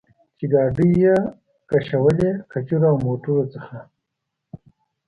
چې ګاډۍ یې کشولې، قچرو او موټرو څخه.